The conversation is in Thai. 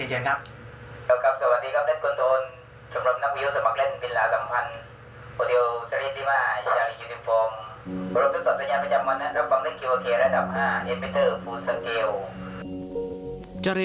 แหละเจ้าครับ